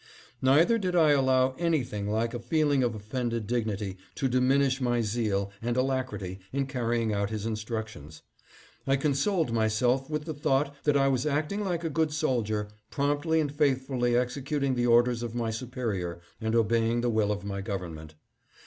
Neither did I allow anj'thing like a feeling of offended dignity to diminish my zeal and alacrity in carrying out his instruc tions. I consoled myself with the thought that I was acting like a good soldier, promptly and faithfully exe cuting the orders of my superior, and obeying the will of my government.